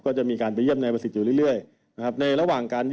อาจจะมีการวางแผนกันมา